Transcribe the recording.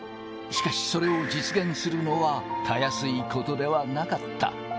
しかしそれを実現するのは、たやすいことではなかった。